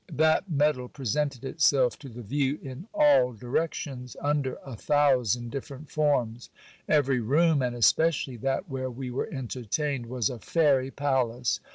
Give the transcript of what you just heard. That metal presented itself to the view in all directions, under a thousand different forms. Every room, and especially that where we were entertained, was a fairy palace.